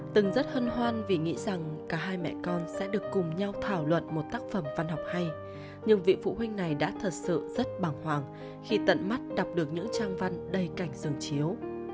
từng rất hân hoan vì nghĩ rằng cả hai mẹ con sẽ được cùng nhau thảo luận một tác phẩm văn học hay nhưng vị phụ huynh này đã thật sự rất bằng hoàng khi tận mắt đọc được những trang văn đầy cảnh dường chiếu